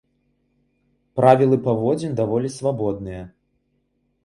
Правілы паводзін даволі свабодныя.